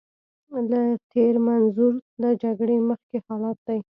له تېر منظور له جګړې مخکې حالت دی.